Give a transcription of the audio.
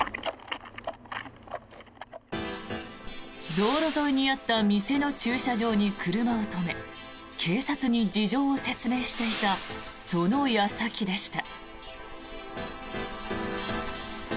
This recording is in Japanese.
道路沿いにあった店の駐車場に車を止め警察に事情を説明していたその矢先でした。